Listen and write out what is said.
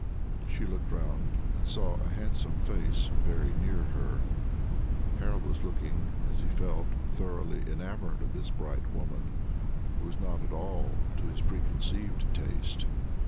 She looked round, and saw a handsome face very near her. Harold was looking, as he felt, thoroughly enamored of this bright woman, who was not at all to his preconceived taste.